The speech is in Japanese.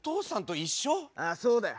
ああそうだよ。